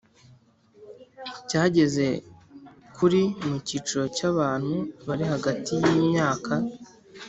cyageze kuri mu kiciro cy abantu bari hagati y imyaka